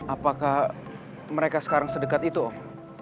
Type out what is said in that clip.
apakah mereka sekarang sedekat itu om